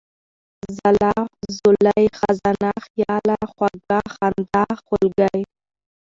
ځلا ، ځولۍ ، خزانه ، خياله ، خوږه ، خندا ، خولگۍ ،